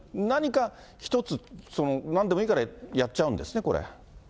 何か一つ、なんでもいいからやっちゃうんですね、これ。